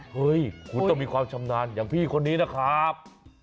เฮ้ยคุณต้องมีความชำนาญอย่างพี่คนนี้นะครับ